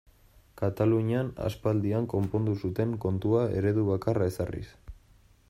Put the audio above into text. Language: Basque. Katalunian aspaldian konpondu zuten kontua eredu bakarra ezarriz.